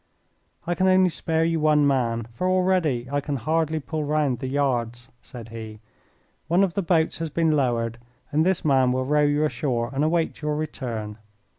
"I can only spare you one man, for already I can hardly pull round the yards," said he. "One of the boats has been lowered, and this man will row you ashore and await your return.